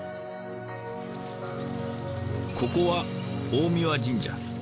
ここは大神神社。